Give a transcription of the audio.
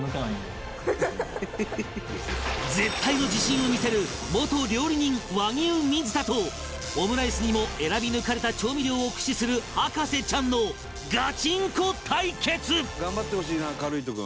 絶対の自信を見せる元料理人和牛水田とオムライスにも選び抜かれた調味料を駆使する博士ちゃんのガチンコ対決！